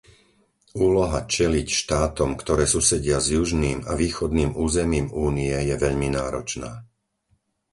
Úloha čeliť štátom, ktoré susedia s južným a východným územím Únie, je veľmi náročná.